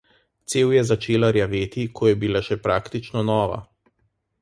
Cev je začela rjaveti, ko je bila še praktično nova.